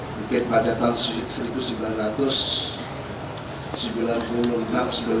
mungkin pada tahun seribu sembilan ratus sembilan puluh enam seribu sembilan ratus sembilan puluh